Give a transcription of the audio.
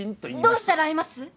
どうしたら会えます？